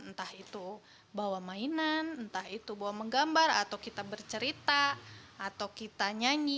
entah itu bawa mainan entah itu bawa menggambar atau kita bercerita atau kita nyanyi